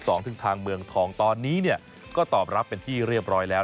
ถึงทางเมืองทองตอนนี้เนี่ยก็ตอบรับเป็นที่เรียบร้อยแล้ว